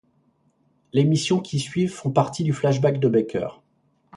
Les missions qui suivent font partie du flash-back de Baker.